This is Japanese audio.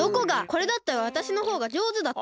これだったらわたしのほうがじょうずだって！